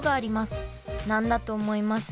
何だと思います？